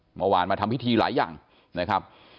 เมื่อวานมาทำพิธีหลายอย่างนะครับ